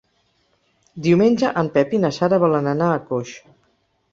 Diumenge en Pep i na Sara volen anar a Coix.